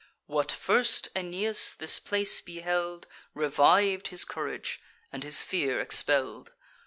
What first Aeneas in this place beheld, Reviv'd his courage, and his fear expell'd.